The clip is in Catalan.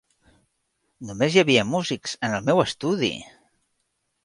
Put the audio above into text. Només hi havia músics en el meu estudi!